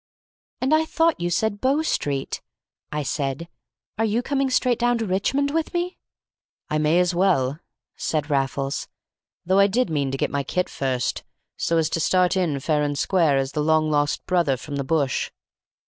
"And I thought you said Bow Street!" said I. "Are you coming straight down to Richmond with me?" "I may as well," said Raffles, "though I did mean to get my kit first, so as to start in fair and square as the long lost brother from the bush.